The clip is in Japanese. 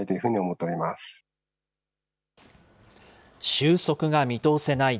収束が見通せない